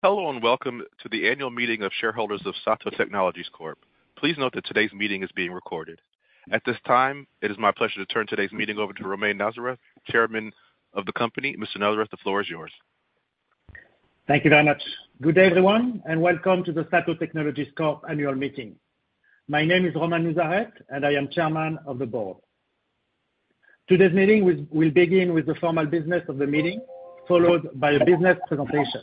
Hello. Welcome to the annual meeting of shareholders of SATO Technologies Corp. Please note that today's meeting is being recorded. At this time, it is my pleasure to turn today's meeting over to Romain Nouzareth, Chairman of the company. Mr. Nouzareth, the floor is yours. Thank you very much. Good day, everyone, and welcome to the SATO Technologies Corp annual meeting. My name is Romain Nouzareth, and I am chairman of the board. Today's meeting will begin with the formal business of the meeting, followed by a business presentation.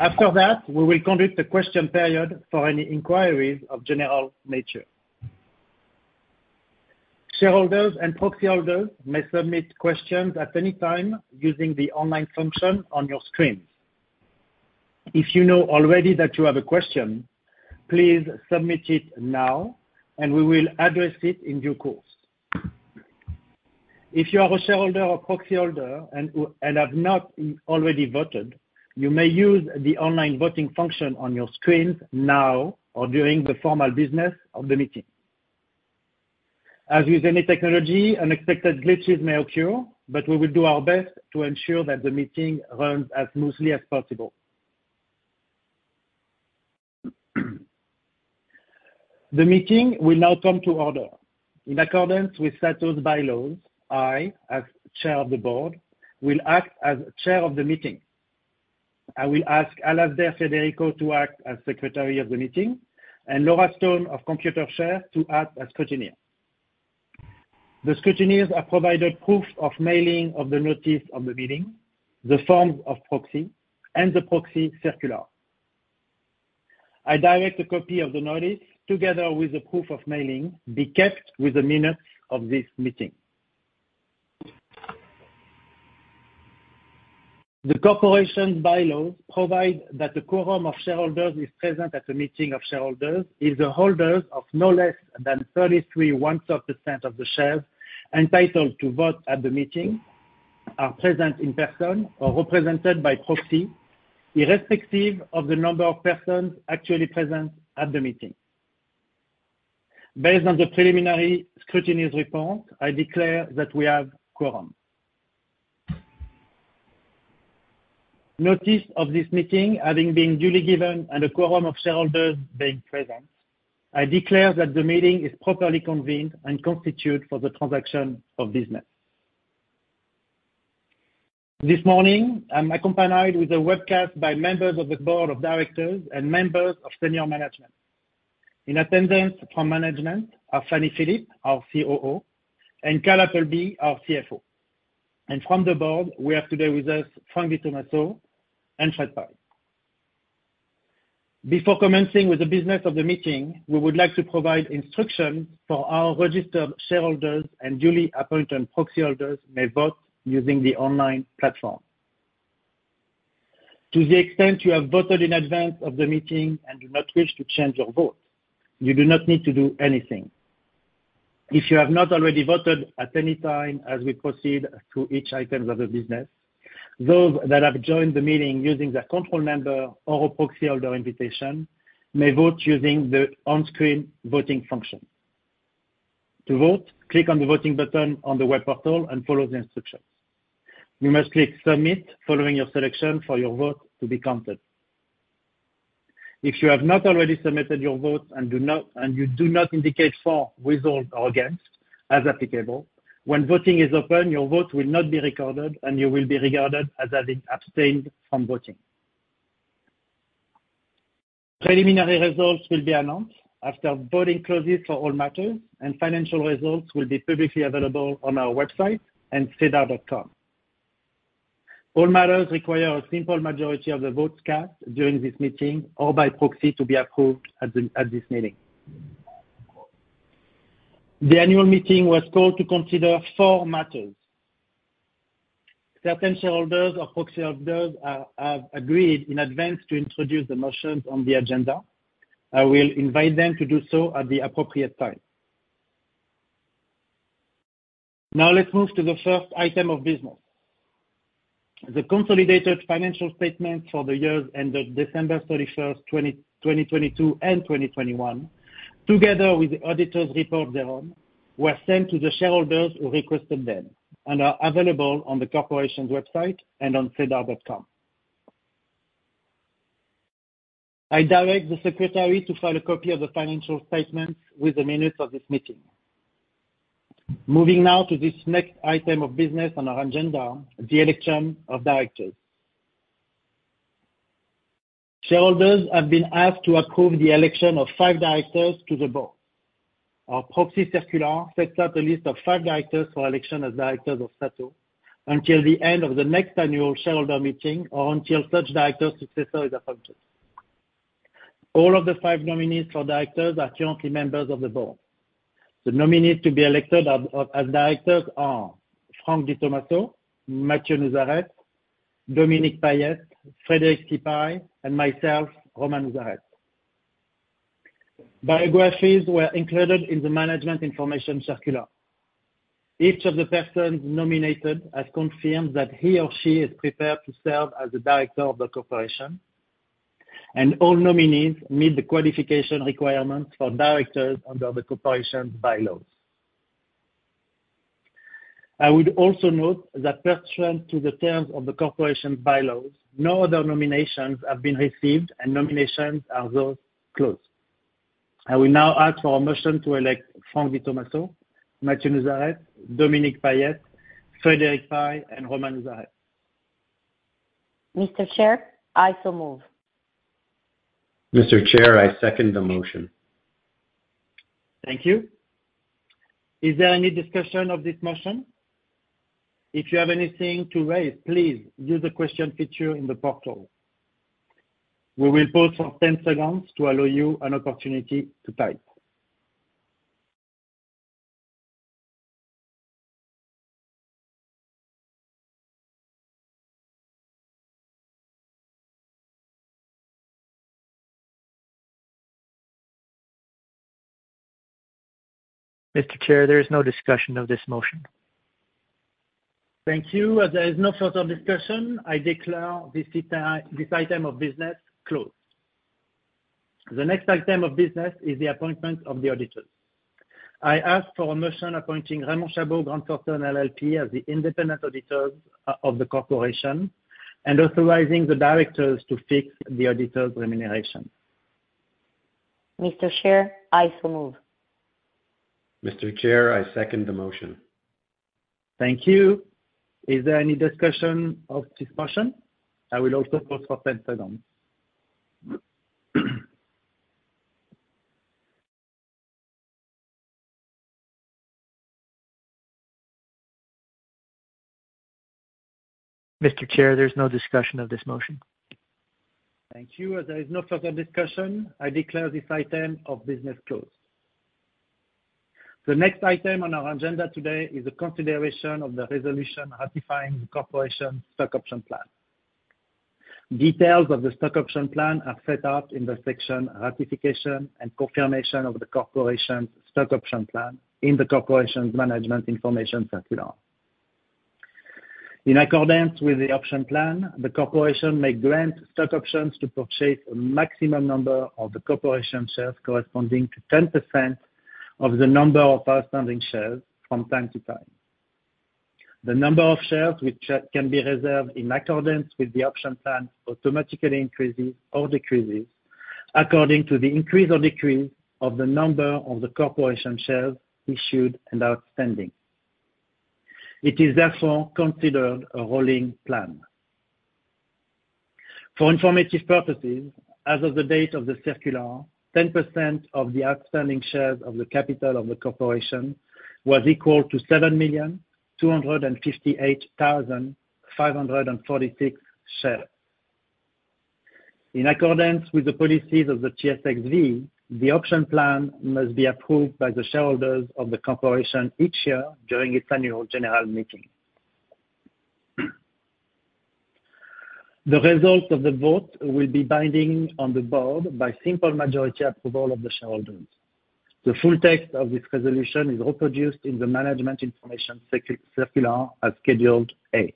After that, we will conduct a question period for any inquiries of general nature. Shareholders and proxy holders may submit questions at any time using the online function on your screens. If you know already that you have a question, please submit it now, and we will address it in due course. If you are a shareholder or proxy holder and have not already voted, you may use the online voting function on your screens now or during the formal business of the meeting. As with any technology, unexpected glitches may occur, but we will do our best to ensure that the meeting runs as smoothly as possible. The meeting will now come to order. In accordance with SATO's bylaws, I, as chair of the board, will act as chair of the meeting. I will ask Alexandre Federico to act as secretary of the meeting, and Laura Stone of Computershare to act as scrutineer. The scrutineers are provided proof of mailing of the notice of the meeting, the forms of proxy, and the proxy circular. I direct a copy of the notice, together with the proof of mailing, be kept with the minutes of this meeting. The corporation's bylaws provide that the quorum of shareholders is present at the meeting of shareholders, is the holders of no less than 33 1/3% of the shares, entitled to vote at the meeting, are present in person or represented by proxy, irrespective of the number of persons actually present at the meeting. Based on the preliminary scrutineer's report, I declare that we have quorum. Notice of this meeting having been duly given and a quorum of shareholders being present, I declare that the meeting is properly convened and constitute for the transaction of business. This morning, I'm accompanied with a webcast by members of the board of directors and members of senior management. In attendance from management are Fanny Philip, our COO, and Kyle Appleby, our CFO. From the board, we have today with us, Frank Di Tomasso and Fred T. Pye. Before commencing with the business of the meeting, we would like to provide instruction for our registered shareholders and duly appointed proxy holders may vote using the online platform. To the extent you have voted in advance of the meeting and do not wish to change your vote, you do not need to do anything. If you have not already voted at any time as we proceed through each items of the business, those that have joined the meeting using their control member or a proxy holder invitation, may vote using the on-screen voting function. To vote, click on the voting button on the web portal and follow the instructions. You must click Submit following your selection for your vote to be counted. If you have not already submitted your vote and you do not indicate for, withhold, or against, as applicable, when voting is open, your vote will not be recorded, and you will be regarded as having abstained from voting. Preliminary results will be announced after voting closes for all matters. Financial results will be publicly available on our website and sedar.com. All matters require a simple majority of the votes cast during this meeting or by proxy to be approved at this meeting. The annual meeting was called to consider four matters. Certain shareholders or proxy holders have agreed in advance to introduce the motions on the agenda. I will invite them to do so at the appropriate time. Let's move to the first item of business. The consolidated financial statements for the years ended December 31st, 2022 and 2021, together with the auditor's report thereon, were sent to the shareholders who requested them and are available on the corporation's website and on sedar.com. I direct the secretary to file a copy of the financial statements with the minutes of this meeting. Moving now to this next item of business on our agenda, the election of directors. Shareholders have been asked to approve the election of 5 directors to the board. Our proxy circular sets out a list of 5 directors for election as directors of SATO, until the end of the next annual shareholder meeting or until such director successor is appointed. All of the 5 nominees for directors are currently members of the board. The nominees to be elected as directors are Frank Di Tomasso, Mathieu Nouzareth, Dominique Payette, Frederic T. Pye, and myself, Romain Nouzareth. Biographies were included in the management information circular. Each of the persons nominated has confirmed that he or she is prepared to serve as a director of the Corporation, and all nominees meet the qualification requirements for directors under the Corporation's bylaws. I would also note that pursuant to the terms of the Corporation's bylaws, no other nominations have been received, and nominations are thus closed. I will now ask for a motion to elect Frank Di Tomasso, Mathieu Nouzareth, Dominique Payette, Fred T. Pye, and Romain Nouzareth. Mr. Chair, I so move. Mr. Chair, I second the motion. Thank you. Is there any discussion of this motion? If you have anything to raise, please use the question feature in the portal. We will pause for 10 seconds to allow you an opportunity to type. Mr. Chair, there is no discussion of this motion. Thank you. As there is no further discussion, I declare this item of business closed. The next item of business is the appointment of the auditors. I ask for a motion appointing Raymond Chabot Grant Thornton LLP as the independent auditors of the corporation and authorizing the directors to fix the auditors' remuneration. Mr. Chair, I so move. Mr. Chair, I second the motion. Thank you. Is there any discussion of this motion? I will also pause for 10 seconds. Mr. Chair, there's no discussion of this motion. Thank you. As there is no further discussion, I declare this item of business closed. The next item on our agenda today is a consideration of the resolution ratifying the corporation's stock option plan. Details of the stock option plan are set out in the section Ratification and Confirmation of the Corporation's Stock Option Plan in the corporation's management information circular. In accordance with the option plan, the corporation may grant stock options to purchase a maximum number of the corporation shares corresponding to 10% of the number of outstanding shares from time to time. The number of shares which can be reserved in accordance with the option plan automatically increases or decreases according to the increase or decrease of the number of the corporation shares issued and outstanding. It is therefore considered a rolling plan. For informative purposes, as of the date of the circular, 10% of the outstanding shares of the capital of the corporation was equal to 7,258,546 shares. In accordance with the policies of the TSXV, the option plan must be approved by the shareholders of the corporation each year during its annual general meeting. The result of the vote will be binding on the board by simple majority approval of the shareholders. The full text of this resolution is reproduced in the management information circular as Schedule A.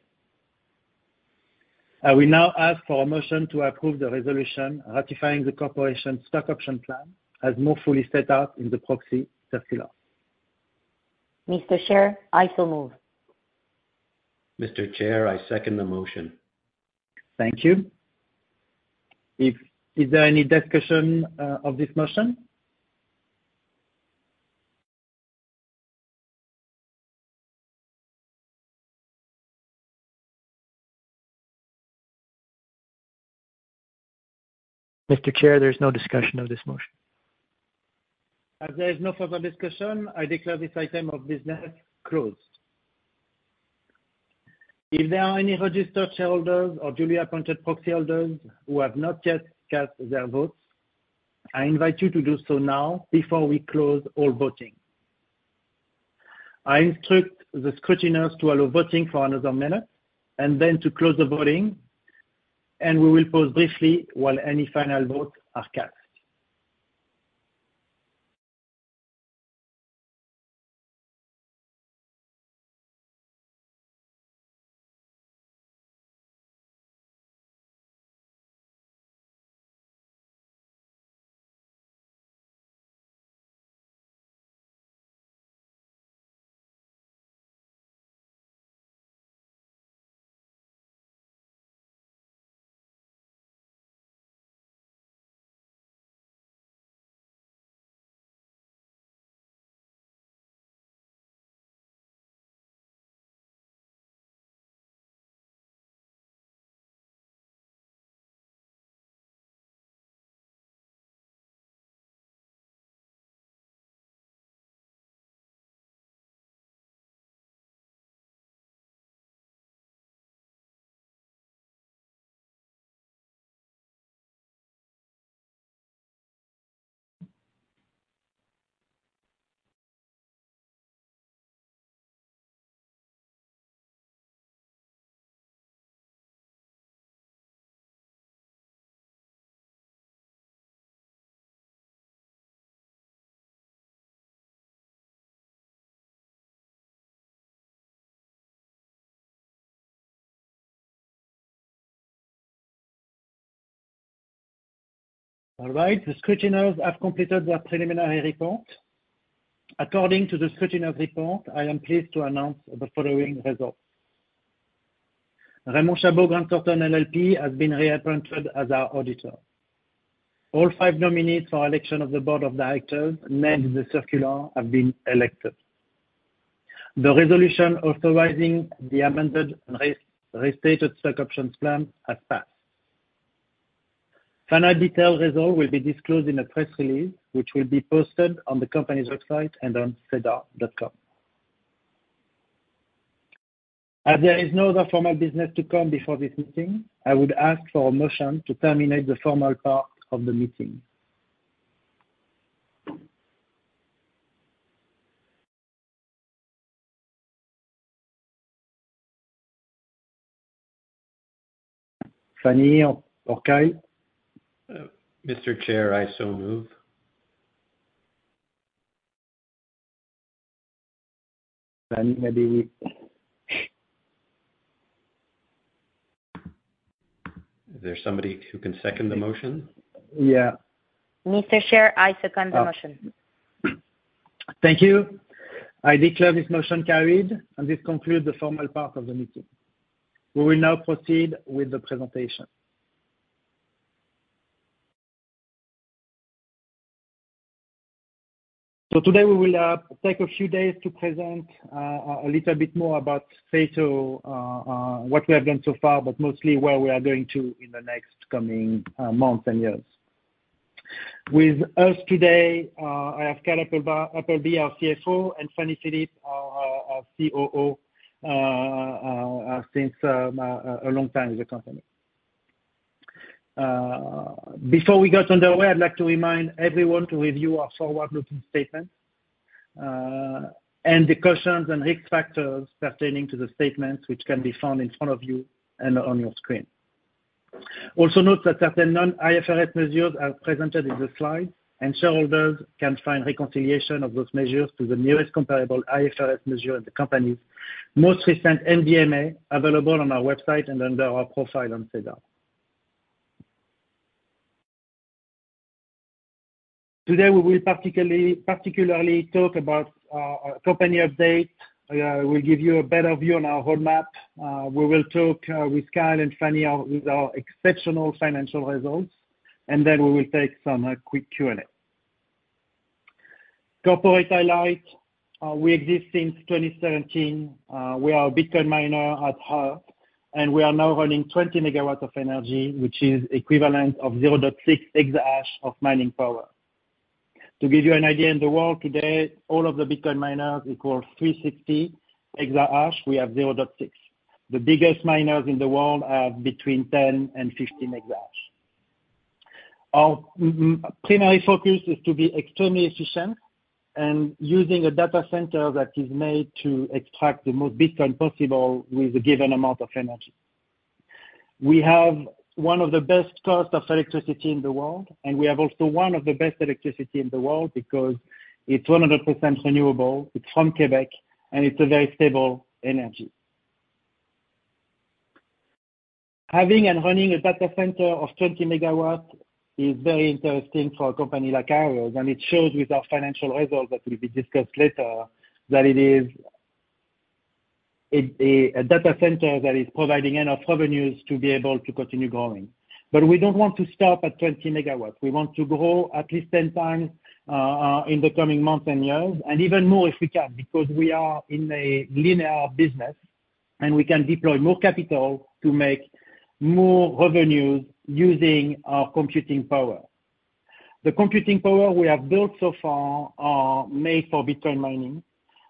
I will now ask for a motion to approve the resolution ratifying the corporation's stock option plan as more fully set out in the proxy circular. Mr. Chair, I so move. Mr. Chair, I second the motion. Thank you. Is there any discussion of this motion? Mr. Chair, there's no discussion of this motion. As there is no further discussion, I declare this item of business closed. If there are any registered shareholders or duly appointed proxyholders who have not yet cast their votes, I invite you to do so now before we close all voting. I instruct the scrutineers to allow voting for another minute and then to close the voting. We will pause briefly while any final votes are cast. All right, the scrutineers have completed their preliminary report. According to the scrutineers report, I am pleased to announce the following results: Raymond Chabot Grant Thornton LLP has been reappointed as our auditor. All 5 nominees for election of the board of directors, named in the circular, have been elected. The resolution authorizing the Amended and Restated Stock Option Plan has passed. Final detailed result will be disclosed in a press release, which will be posted on the company's website and on sedar.com. As there is no other formal business to come before this meeting, I would ask for a motion to terminate the formal part of the meeting. Fanny or Kyle? Mr. Chair, I so move. Maybe Is there somebody who can second the motion? Yeah. Mr. Chair, I second the motion. Thank you. I declare this motion carried, and this concludes the formal part of the meeting. We will now proceed with the presentation. Today, we will take a few days to present a little bit more about SATO, what we have done so far, but mostly where we are going to in the next coming months and years. With us today, I have Kyle Appleby, our CFO, and Fanny Philip, our COO, since a long time in the company. Before we get underway, I'd like to remind everyone to review our forward-looking statement and the cautions and risk factors pertaining to the statements, which can be found in front of you and on your screen. Note that certain non-IFRS measures are presented in the slide. Shareholders can find reconciliation of those measures to the nearest comparable IFRS measure in the company's most recent MD&A, available on our website and under our profile on SEDAR. We will particularly talk about our company update. We'll give you a better view on our roadmap. We will talk with Kyle and Fanny, with our exceptional financial results. We will take some quick Q&A. Corporate highlight, we exist since 2017. We are a Bitcoin miner at heart. We are now running 20 megawatts of energy, which is equivalent of 0.6 exahash of mining power. To give you an idea, in the world today, all of the Bitcoin miners equal 360 exahash, we have 0.6. The biggest miners in the world have between 10 and 15 exahash. Our primary focus is to be extremely efficient, and using a data center that is made to extract the most Bitcoin possible with a given amount of energy. We have one of the best cost of electricity in the world, and we have also one of the best electricity in the world because it's 100% renewable, it's from Quebec, and it's a very stable energy. Having and running a data center of 20 megawatt is very interesting for a company like ours, and it shows with our financial results, that will be discussed later, that it is a data center that is providing enough revenues to be able to continue growing. We don't want to stop at 20 megawatts. We want to grow at least 10 times in the coming months and years, and even more if we can, because we are in a linear business, and we can deploy more capital to make more revenues using our computing power. The computing power we have built so far are made for Bitcoin mining,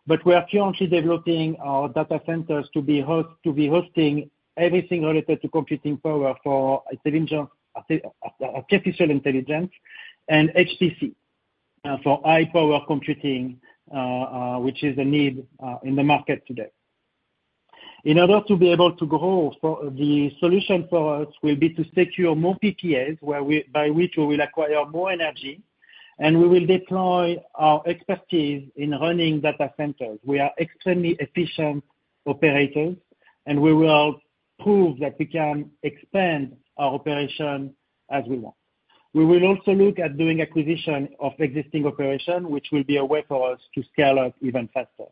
but we are currently developing our data centers to be hosting everything related to computing power for artificial intelligence and HPC for high-power computing, which is a need in the market today. In order to be able to grow, for the solution for us will be to secure more PPAs, by which we will acquire more energy, and we will deploy our expertise in running data centers. We are extremely efficient operators. We will prove that we can expand our operation as we want. We will also look at doing acquisition of existing operation, which will be a way for us to scale up even faster.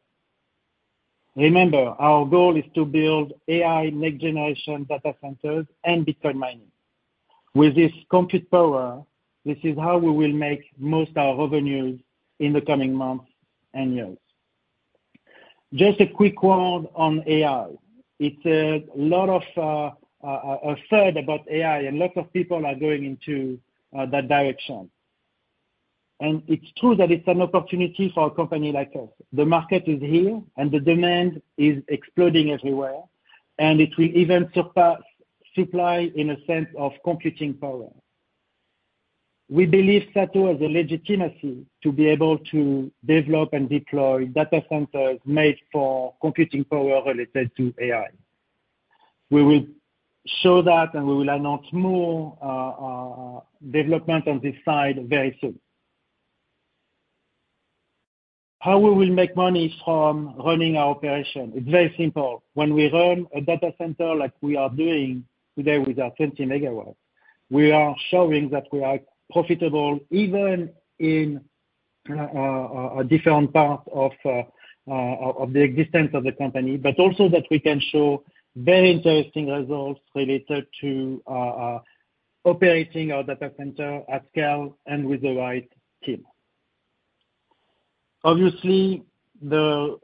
Remember, our goal is to build AI next-generation data centers and Bitcoin mining. With this compute power, this is how we will make most our revenues in the coming months and years. Just a quick word on AI. It's a lot of absurd about AI, and lots of people are going into that direction. It's true that it's an opportunity for a company like us. The market is here, and the demand is exploding everywhere, and it will even surpass supply in a sense of computing power. We believe SATO has a legitimacy to be able to develop and deploy data centers made for computing power related to AI. We will show that, and we will announce more development on this side very soon. How we will make money from running our operation? It's very simple. When we run a data center like we are doing today with our 20 megawatts, we are showing that we are profitable even in a different part of the existence of the company, but also that we can show very interesting results related to operating our data center at scale and with the right team. Obviously, the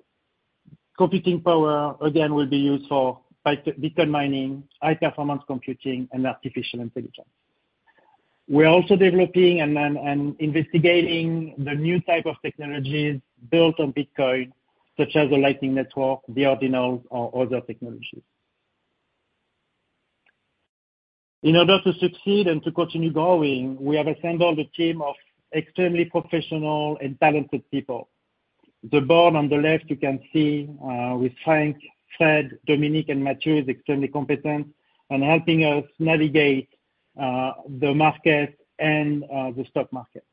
computing power, again, will be used for Bitcoin mining, high-performance computing, and artificial intelligence. We are also developing and investigating the new type of technologies built on Bitcoin, such as the Lightning Network, the Ordinals, or other technologies. In order to succeed and to continue growing, we have assembled a team of extremely professional and talented people. The board on the left, you can see, with Frank, Fred, Dominique, and Mathieu, is extremely competent in helping us navigate the market and the stock market.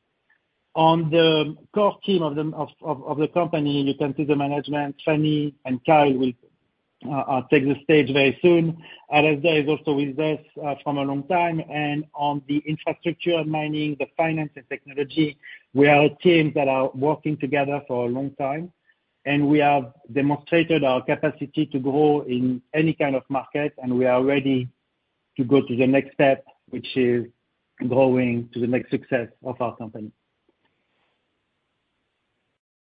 On the core team of the company, you can see the management, Fanny and Kyle will take the stage very soon. Alexandra is also with us from a long time. On the infrastructure of mining, the finance and technology, we are teams that are working together for a long time, and we have demonstrated our capacity to grow in any kind of market, and we are ready to go to the next step, which is growing to the next success of our company.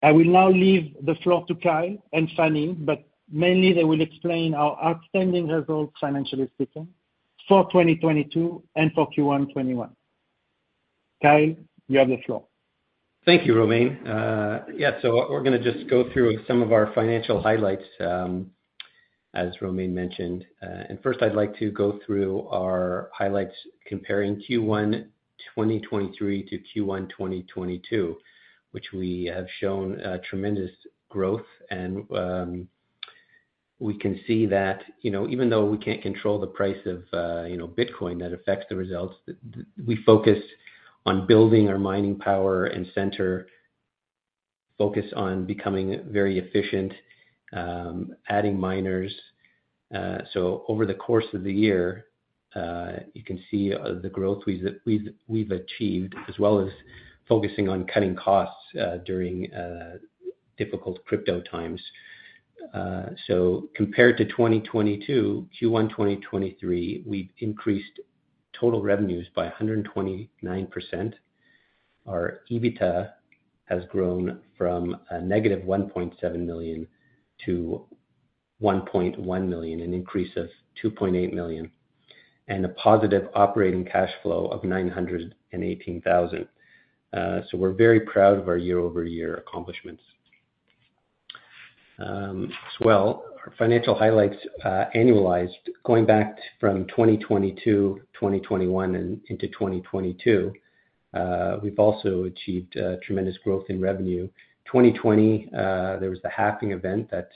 I will now leave the floor to Kyle and Fanny, but mainly they will explain our outstanding results, financially speaking, for 2022 and for Q1 2021. Kyle, you have the floor. Thank you, Romain. Yeah, we're gonna just go through some of our financial highlights, as Romain mentioned. First, I'd like to go through our highlights comparing Q1 2023 to Q1 2022, which we have shown tremendous growth. We can see that, you know, even though we can't control the price of, you know, Bitcoin, that affects the results, we focus on building our mining power and center, focus on becoming very efficient, adding miners. Over the course of the year, you can see the growth we've achieved, as well as focusing on cutting costs during difficult crypto times. Compared to 2022, Q1 2023, we've increased total revenues by 129%. Our EBITDA has grown from a negative 1.7 million to 1.1 million, an increase of 2.8 million, and a positive operating cash flow of 918,000. We're very proud of our year-over-year accomplishments. As well, our financial highlights, annualized, going back from 2020 to 2021 and into 2022, we've also achieved tremendous growth in revenue. 2020, there was the halving event that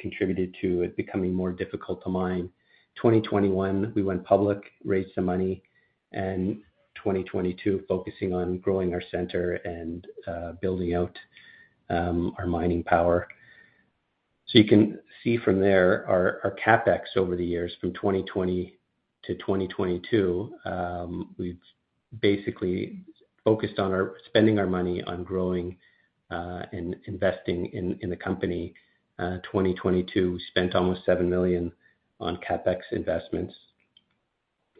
contributed to it becoming more difficult to mine. 2021, we went public, raised some money, and 2022, focusing on growing our center and building out our mining power. You can see from there our CapEx over the years, from 2020 to 2022, we've basically focused on spending our money on growing and investing in the company. 2022, we spent almost 7 million on CapEx investments.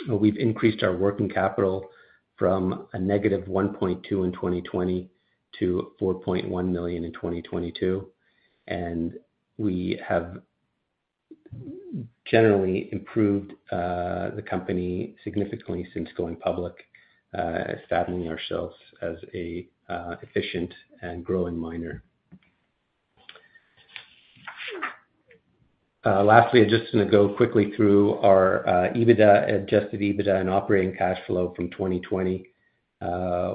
We've increased our working capital from a negative 1.2 in 2020 to 4.1 million in 2022, and we have generally improved the company significantly since going public, establishing ourselves as a efficient and growing miner. Lastly, I'm just gonna go quickly through our EBITDA, adjusted EBITDA and operating cash flow from 2020,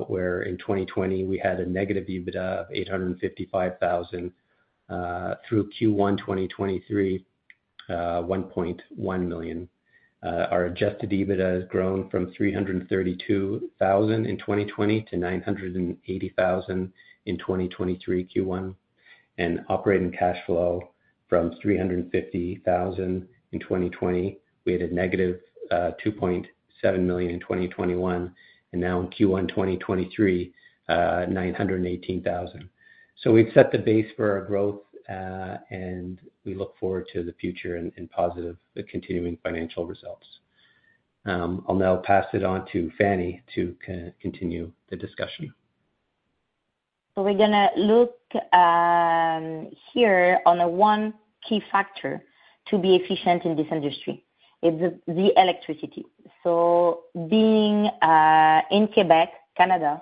where in 2020, we had a negative EBITDA of 855,000 through Q1 2023, 1.1 million. Our adjusted EBITDA has grown from $332,000 in 2020 to $980,000 in 2023 Q1, and operating cash flow from $350,000 in 2020. We had a negative $2.7 million in 2021, and now in Q1 2023, $918,000. We've set the base for our growth, and positive continuing financial results. I'll now pass it on to Fanny to continue the discussion. We're gonna look here on a 1 key factor to be efficient in this industry. It's the electricity. Being in Quebec, Canada,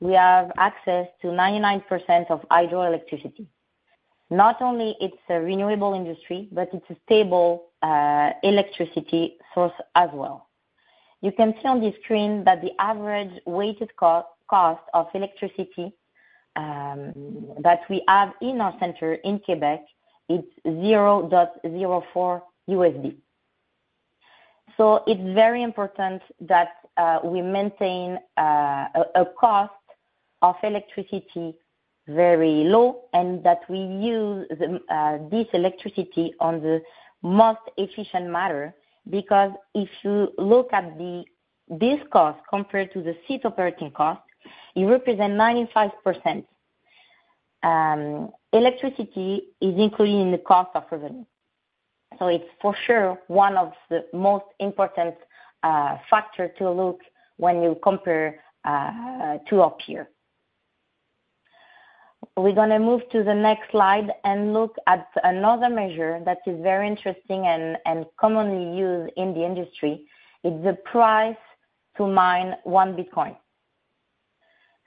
we have access to 99% of hydroelectricity. Not only it's a renewable industry, but it's a stable electricity source as well. You can see on the screen that the average weighted cost of electricity that we have in our center in Quebec, it's $0.04 USD. It's very important that we maintain a cost of electricity very low, and that we use this electricity on the most efficient matter. Because if you look at this cost compared to the site operating cost, it represent 95%. Electricity is included in the cost of revenue. It's for sure one of the most important factor to look when you compare to our peer. We're gonna move to the next slide and look at another measure that is very interesting and commonly used in the industry, it's the price to mine one Bitcoin.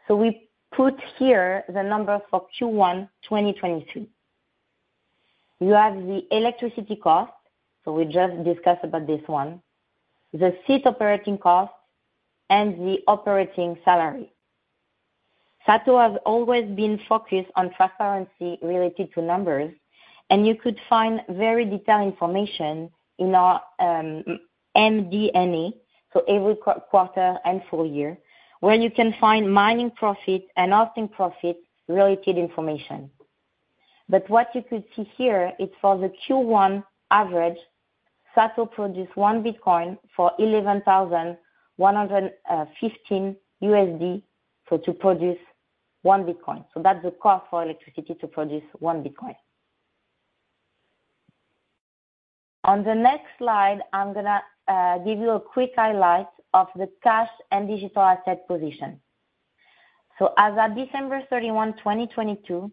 We put here the number for Q1 2022. You have the electricity cost, so we just discussed about this one, the site operating costs, and the operating salary. SATO has always been focused on transparency related to numbers, and you could find very detailed information in our MD&A every quarter and full year, where you can find mining profit and often profit-related information. What you could see here is for the Q1 average, SATO produced one Bitcoin for $11,115, to produce one Bitcoin. On the next slide, I'm gonna give you a quick highlight of the cash and digital asset position. As of December 31, 2022,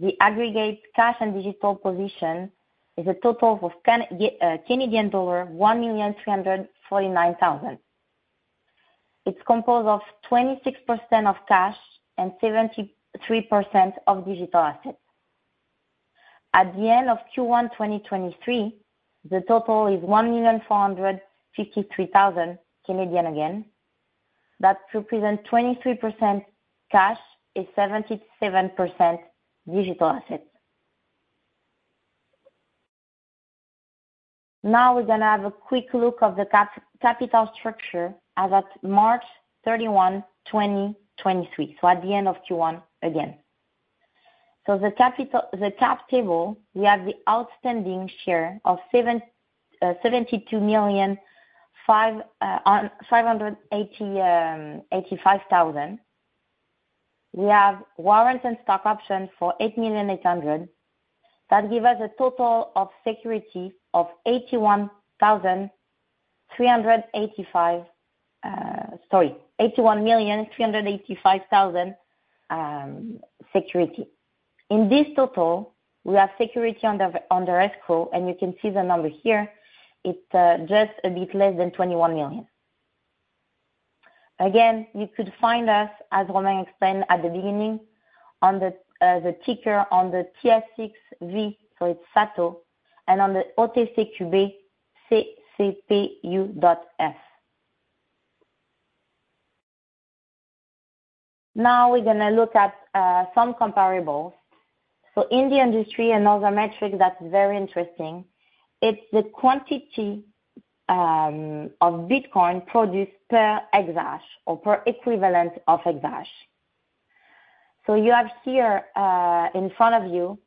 the aggregate cash and digital position is a total of Canadian dollar 1,349,000. It's composed of 26% of cash and 73% of digital assets. At the end of Q1 2023, the total is 1,453,000, CAD again. That represent 23% cash and 77% digital asset. We're gonna have a quick look of the capital structure as at March 31, 2023, so at the end of Q1 again. The cap table, we have the outstanding share of 72,585,000. We have warrants and stock options for 8,000,800. That give us a total of security of, sorry, 81,385,000 security. In this total, we have security under escrow, you can see the number here. It's just a bit less than 21 million. You could find us, as Romain explained at the beginning, on the ticker on the TSXV, so it's SATO, and on the OTCQB, CCPU.F. We're gonna look at some comparables. In the industry, another metric that's very interesting, it's the quantity of Bitcoin produced per exahash or per equivalent of exahash. You have here, in front of you,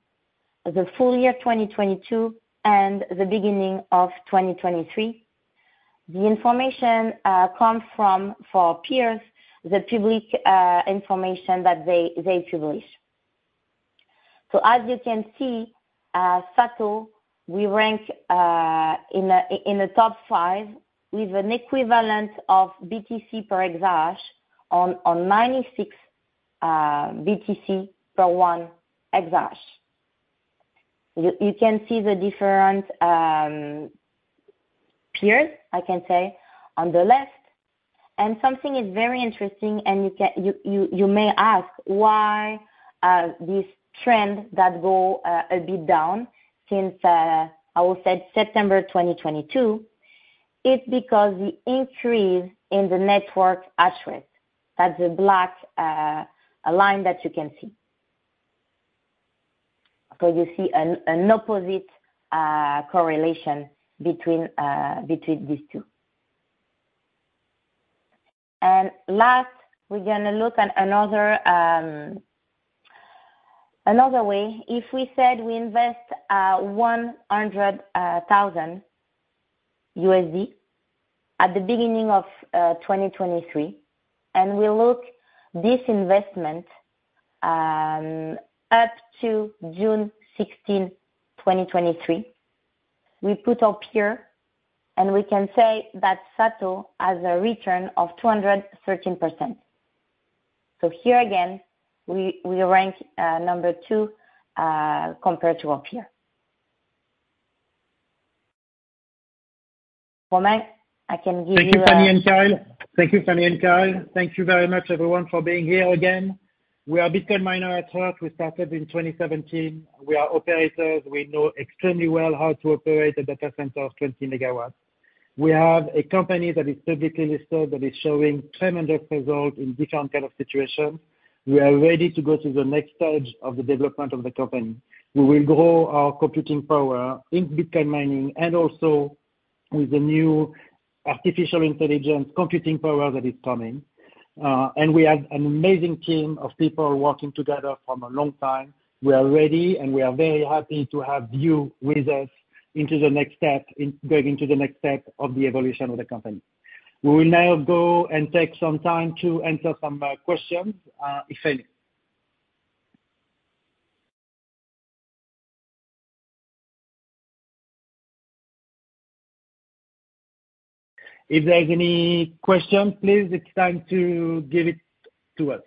the full year, 2022, and the beginning of 2023. The information comes from, for peers, the public information that they publish. As you can see, SATO, we rank in the top 5, with an equivalent of BTC per exahash on 96 BTC per 1 exahash. You can see the different peers, I can say, on the left. Something is very interesting, and you can... You may ask why this trend that go a bit down since I will say September 2022. It's because the increase in the network hashrate, that's a black line that you can see. You see an opposite correlation between between these two. Last, we're gonna look at another another way. If we said we invest $100,000 at the beginning of 2023, and we look this investment up to June 16, 2023, we put up here, and we can say that SATO has a return of 213%. Here again, we rank number two compared to our peer. Romain, I can give you- Thank you, Fanny and Kyle. Thank you very much, everyone, for being here again. We are a Bitcoin miner at heart. We started in 2017. We are operators. We know extremely well how to operate a data center of 20 megawatts. We have a company that is publicly listed, that is showing tremendous results in different kind of situations. We are ready to go to the next stage of the development of the company. We will grow our computing power in Bitcoin mining and also with the new artificial intelligence computing power that is coming. We have an amazing team of people working together from a long time. We are ready, and we are very happy to have you with us into the next step, in going to the next step of the evolution of the company. We will now go and take some time to answer some questions if any. If there is any question, please, it's time to give it to us.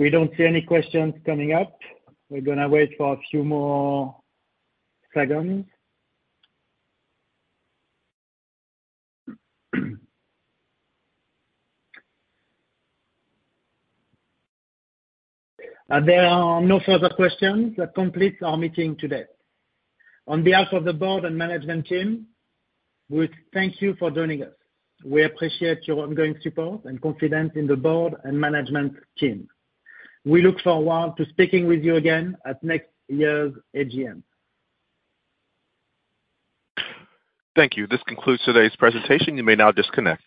We don't see any questions coming up. We're gonna wait for a few more seconds. If there are no further questions, that completes our meeting today. On behalf of the board and management team, we thank you for joining us. We appreciate your ongoing support and confidence in the board and management team. We look forward to speaking with you again at next year's AGM. Thank you. This concludes today's presentation. You may now disconnect.